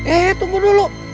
eh tunggu dulu